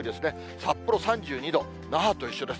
札幌３２度、那覇と一緒です。